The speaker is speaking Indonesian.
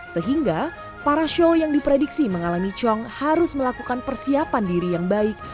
sehingga para show yang diprediksi mengalami cong harus melakukan persiapan diri yang baik